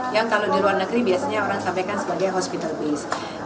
yang kalau di luar negeri biasanya orang sampaikan sebagai hospital base